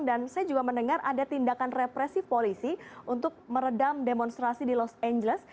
dan saya juga mendengar ada tindakan represi polisi untuk meredam demonstrasi di los angeles